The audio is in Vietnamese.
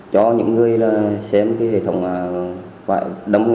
cho những người xem cái hệ thống